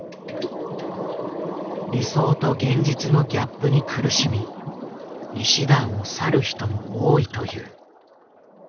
理想と現実のギャップに苦しみ医師団を去る人も多いという。